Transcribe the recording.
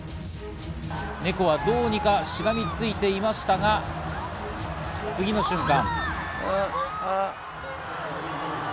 ネコはどうにかしがみついていましたが、次の瞬間。